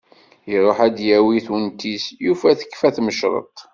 Iruḥ ad d-yawi tunt-is, yufa tekfa tmecreṭ.